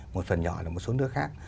một phần nhỏ là một số nước khác